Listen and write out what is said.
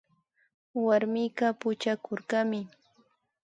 Warmika puchakurkami